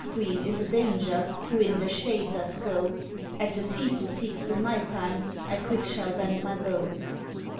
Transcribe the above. Queen, is a danger who in the shade docs go, At the thief who seeks the night time I quick shall bend mv bow.'